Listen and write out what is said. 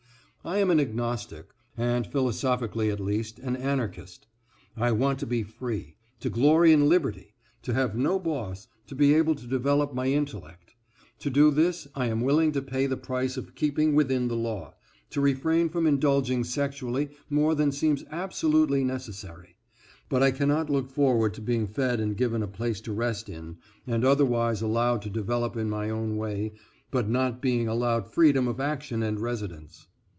I am an agnostic, and, philosophically at least, an anarchist. I want to be free, to glory in liberty; to have no boss, to be able to develop my intellect. To do this I am willing to pay the price of keeping within the law, to refrain from indulging sexually more than seems absolutely necessary, but I cannot look forward to being fed and given a place to rest in, and otherwise allowed to develop in my own way, but not being allowed freedom of action and residence.